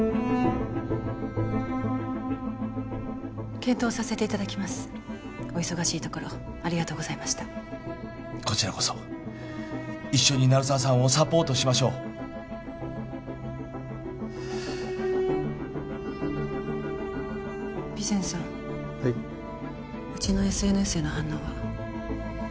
検討させていただきますお忙しいところありがとうございましたこちらこそ一緒に鳴沢さんをサポートしましょうはあ備前さんはいうちのＳＮＳへの反応は？